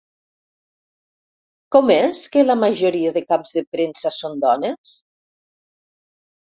Com és que la majoria de caps de premsa són dones?